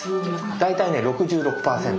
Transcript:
大体ね６６％。